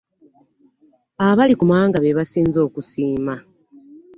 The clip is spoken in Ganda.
Abali ku mawanga be basinze okusiima.